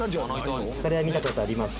これは見た事あります？